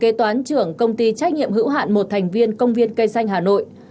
kế toán trưởng công ty trách nhiệm hữu hạn một thành viên công viên cây xanh hà nội